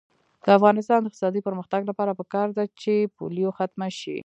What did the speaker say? د افغانستان د اقتصادي پرمختګ لپاره پکار ده چې پولیو ختمه شي.